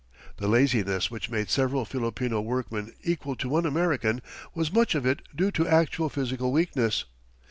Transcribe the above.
The laziness which made several Filipino workmen equal to one American was much of it due to actual physical weakness.